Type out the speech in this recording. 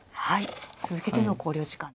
続けての考慮時間。